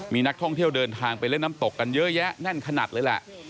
มีนักท่องเที่ยวเดินทางไปเล่นน้ำตกกันเยอะแยะแน่นขนาดเลยแหละ